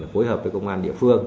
phối hợp với công an địa phương